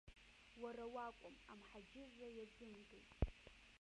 Уара уакәым, амҳаџьырра иазымгеит.